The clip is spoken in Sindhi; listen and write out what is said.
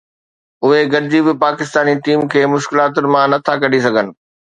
اهي گڏجي به پاڪستاني ٽيم کي مشڪلاتن مان نه ٿا ڪڍي سگهن